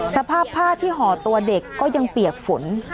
สภาพผ้าที่ห่อตัวเด็กก็ยังเปียกฝน